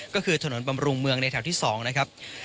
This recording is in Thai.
ก็คือถนนบำรุงเมืองในแถวที่๒นะครับ